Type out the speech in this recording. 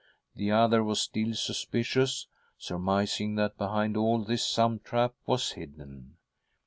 The other was still suspicious, surmising that behind all this some trap was hidden.